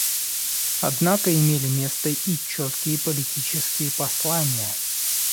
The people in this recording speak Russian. Однако имели место и четкие политические послания.